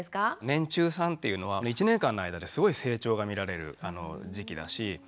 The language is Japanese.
年中さんっていうのは１年間の間ですごい成長が見られる時期だし